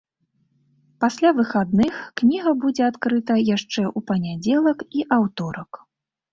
Пасля выхадных кніга будзе адкрыта яшчэ ў панядзелак і аўторак.